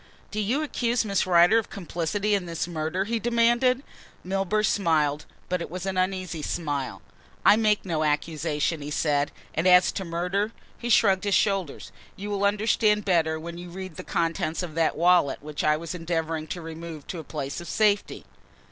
"Do you accuse Miss Rider of complicity in this murder?" he demanded. Milburgh smiled, but it was an uneasy smile. "I make no accusation," he said, "and as to the murder?" he shrugged his shoulders. "You will understand better when you read the contents of that wallet which I was endeavouring to remove to a place of safety."